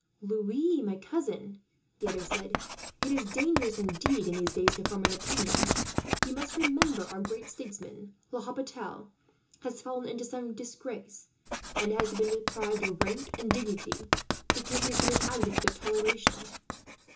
"Louis, my cousin," the other said, "it is dangerous, indeed, in these days to form an opinion. You must remember our greatest statesman, L'Hopital, has fallen into some disgrace, and has been deprived of rank and dignity, because he has been an advocate of toleration."